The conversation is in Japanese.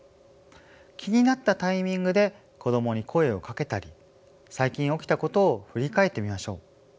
気になったタイミングで子どもに声をかけたり最近起きたことを振り返ってみましょう。